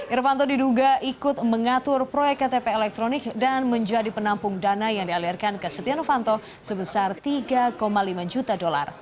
irvanto diduga ikut mengatur proyek ktp elektronik dan menjadi penampung dana yang dialirkan ke setia novanto sebesar tiga lima juta dolar